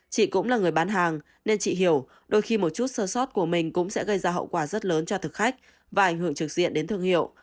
chị cũng là người bán hàng nên chị hiểu đôi khi một chút sơ sót của mình cũng sẽ gây ra hậu quả rất lớn cho thực khách và ảnh hưởng trực diện đến thương hiệu